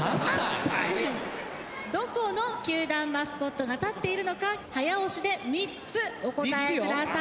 どこの球団マスコットが立っているのか早押しで３つお答え下さい。